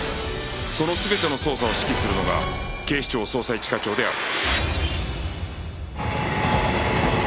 その全ての捜査を指揮するのが警視庁捜査一課長である